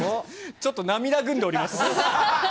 ちょっと涙ぐんでおります。